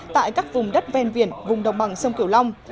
tại các vùng đất ven biển vùng đồng bằng sông cửu long